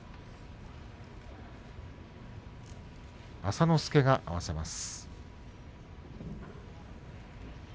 朝之助が合わせます。